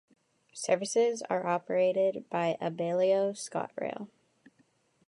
Services are operated by Abellio ScotRail.